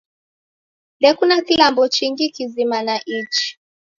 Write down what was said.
Ndekuna kilambo chingi kizima na ichi